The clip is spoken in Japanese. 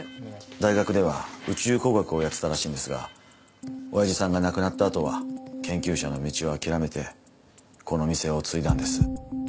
大学では宇宙工学をやってたらしいんですが親父さんが亡くなったあとは研究者の道を諦めてこの店を継いだんです。